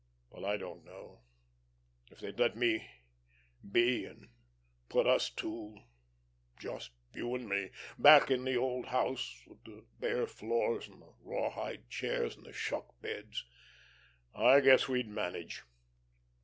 But I don't know.... If they'd let me be and put us two just you and me back in the old house with the bare floors and the rawhide chairs and the shuck beds, I guess we'd manage.